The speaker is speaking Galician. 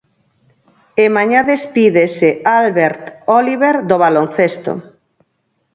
E mañá despídese Albert Óliver do baloncesto.